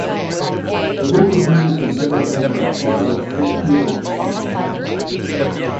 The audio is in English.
The local people consider him as a popular folk hero.